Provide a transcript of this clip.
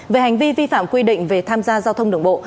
về hành vi vi phạm quy định về tham gia giao thông đường bộ